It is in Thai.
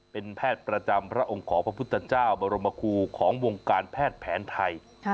เป็นแพทย์ประจำพระองค์ขอพระพุทธเจ้าบรมคูของวงการแพทย์แผนไทย